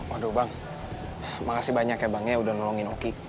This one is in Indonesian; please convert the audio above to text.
aduh bang makasih banyak ya bangnya udah nolongin oki